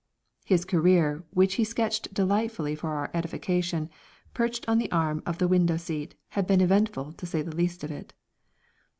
His career, which he sketched delightedly for our edification, perched on the arm of the window seat, had been eventful, to say the least of it.